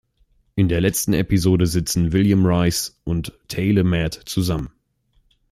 In der letzten Episode sitzen William Rice und Taylor Mead zusammen.